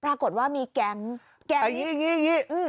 ปรากฏว่ามีแก๊งแก๊งอย่างนี้อย่างนี้